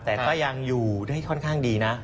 แต่ก็ยังอยู่ด้วยค่อนข้างดีนะ